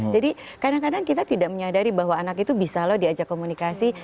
jadi kadang kadang kita tidak menyadari bahwa anak itu bisa loh diajak komunikasi